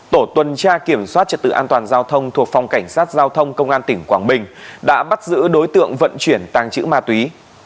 tổ tuần tra kiểm soát trật tự an toàn giao thông thuộc phòng cảnh sát giao thông công an tỉnh quảng bình đã bắt giữ đối tượng vận chuyển tàng trữ ma túy